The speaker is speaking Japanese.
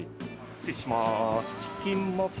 失礼します。